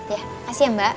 ya kasih ya mbak